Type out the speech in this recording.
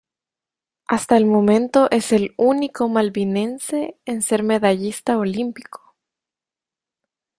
Hasta el momento es el único malvinense en ser medallista olímpico.